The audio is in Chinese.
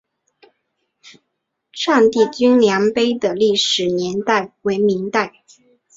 丈地均粮碑的历史年代为明代。